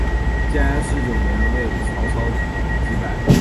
建安十九年为曹操击败。